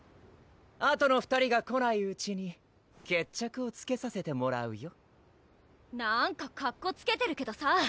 あとの２人が来ないうちに決着をつけさせてもらうよなんかかっこつけてるけどさ